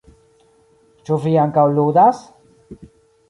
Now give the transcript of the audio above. Ĉu vi ankaŭ ludas?